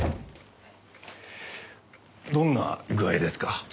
どんな具合ですか？